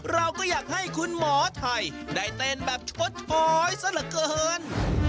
เราก็อยากให้คุณหมอไทยได้เต้นแบบชดช้อยซะเหลือเกิน